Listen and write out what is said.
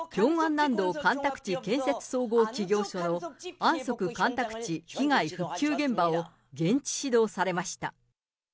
南道干拓地建設総合企業所のアンソク干拓地被害復旧現場を現地指導されました。